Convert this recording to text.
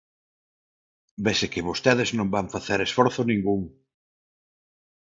Vese que vostedes non van facer esforzo ningún.